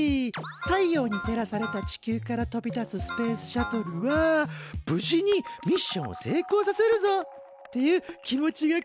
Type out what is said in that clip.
太陽に照らされた地球から飛び出すスペースシャトルは無事にミッションを成功させるぞっていう気持ちがこめられているんだ。